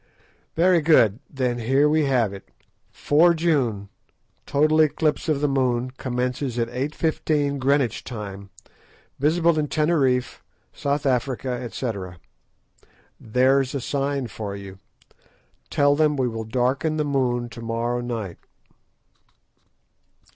"Very good; then here we have it—'4 June, total eclipse of the moon commences at 8.15 Greenwich time, visible in Teneriffe—South Africa, &c.' There's a sign for you. Tell them we will darken the moon to morrow night."